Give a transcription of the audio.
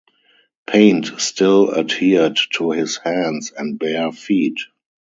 Paint still adhered to his hands and bare feet.